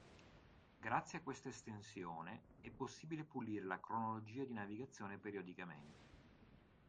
Grazie a questa estensione è possibile pulire la cronologia di navigazione periodicamente